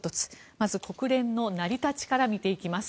まず、国連の成り立ちから見ていきます。